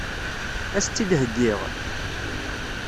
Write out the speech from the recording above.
Ad as-tt-id-heggiɣ?